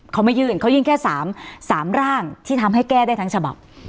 เขายื่นแค่๓๓ร่างที่ทำให้แก้ได้ทั้งฉบับ